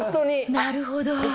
なるほど。